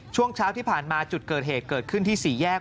ช่วงเช้าที่ผ่านมาจุดเกิดเหตุเกิดขึ้นที่สี่แยก